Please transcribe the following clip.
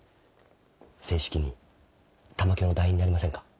正式に玉響の団員になりませんか？